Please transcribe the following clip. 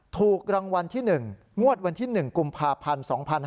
ถูกรางวัลที่๑งวดวันที่๑กุมภาพันธ์๒๕๕๙